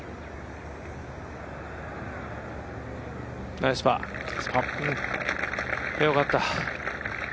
ナイスパー、よかった。